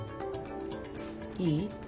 いい？